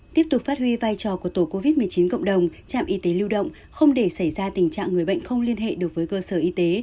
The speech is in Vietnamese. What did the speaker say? tiếp tục phát huy vai trò của tổ covid một mươi chín cộng đồng trạm y tế lưu động không để xảy ra tình trạng người bệnh không liên hệ được với cơ sở y tế